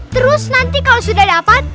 terus nanti kalau sudah dapat